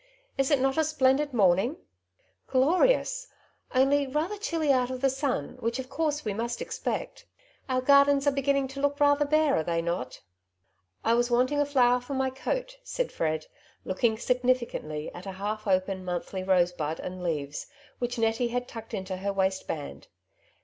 Is it not a splendid morning ?''" Glorious ! only rather chilly out of the sun, which of course we must expect. Our gardens aro beginning to look rather bare, are they not ?"" I was wanting a flower for my coat,'' said Fred., looking significantly at a half open monthly rose bud and leaves, which Nettie had tucked into her waistband.